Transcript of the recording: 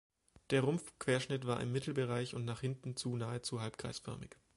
Der Rumpfquerschnitt war im Mittelbereich und nach hinten zu nahezu halbkreisförmig.